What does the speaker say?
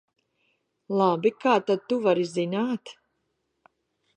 Labi, kā tad tu vari zināt?